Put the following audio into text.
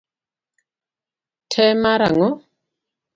Te mar ang'o?